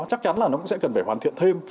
chắc chắn là nó cũng sẽ cần phải hoàn thiện thêm